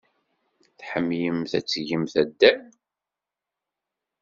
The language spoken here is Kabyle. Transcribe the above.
Tḥemmlemt ad tgemt addal?